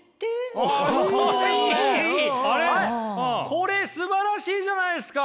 これすばらしいじゃないですか！